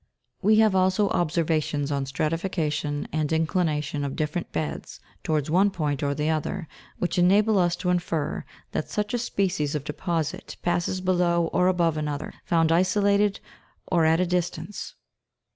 We have also observations on stratification and inclination of different beds towards one point or the other, which enable us to infer that such a species of deposit passes below or above another, found isolated or at a dis tance.